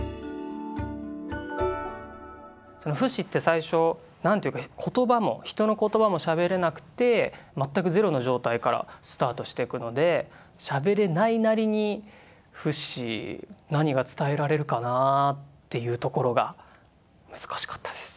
そのフシって最初なんていうか言葉も人の言葉もしゃべれなくてまったくゼロの状態からスタートしていくのでしゃべれないなりにフシ何が伝えられるかなっていうところが難しかったです。